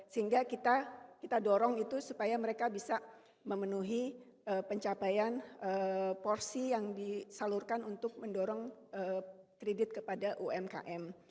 sehingga kita dorong itu supaya mereka bisa memenuhi pencapaian porsi yang disalurkan untuk mendorong kredit kepada umkm